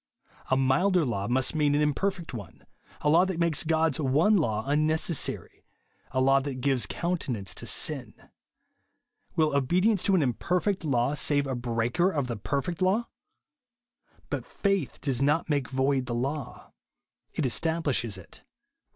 A milder law must mean an im perfect one ; a law that makes God's one law unnecessary ; a law that gives counte nance to sin. Will obedience to an ionper feet law save a breaker of the perfect law? But faith does not make void the law ; it establishes it, (Rom.